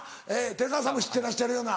寺川さんも知ってらっしゃるような？